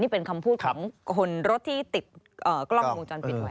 เป็นคำพูดของคนรถที่ติดกล้องวงจรปิดไว้